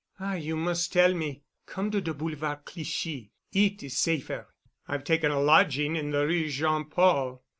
"Ah, you mus' tell me. Come to de Boulevard Clichy. It is safer." "I've taken a lodging in the Rue Jean Paul."